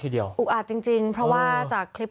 ตอนนี้ยังไม่ได้นะครับ